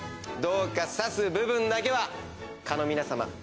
どうか刺す部分だけは蚊の皆さま。